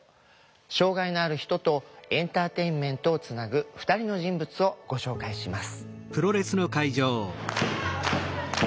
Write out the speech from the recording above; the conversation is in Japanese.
障害のある人とエンターテインメントをつなぐ２人の人物をご紹介します。